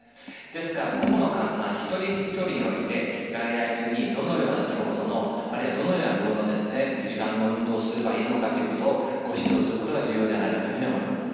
ですから個々の患者さん一人一人において外来中にどのような強度のあるいはどのような量の時間の運動をすればいいのかということをご指導することが重要ではないかというふうに思います。